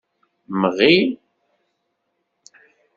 Mɣi.